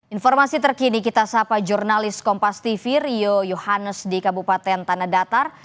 informasi terkini kita sapa jurnalis kompas tv rio yohannes di kabupaten tanah datar